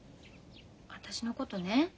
私のことね